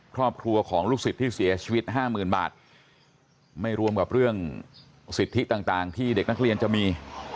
ครอบครัวของลูกศิษย์ที่เสียชีวิตห้าหมื่นบาทไม่รวมกับเรื่องสิทธิต่างที่เด็กนักเรียนจะมี